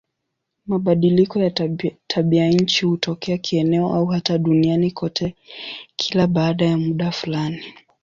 Mabadiliko ya tabianchi hutokea kieneo au hata duniani kote kila baada ya muda fulani.